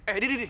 eh di di di